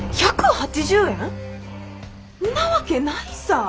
１８０円？なわけないさぁ！